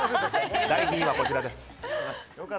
第２位はこちらです。